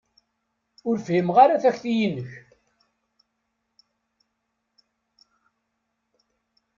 Ur fhimeɣ ara takti-inek.